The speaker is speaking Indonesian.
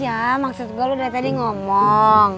iya maksud gua lu dari tadi ngomong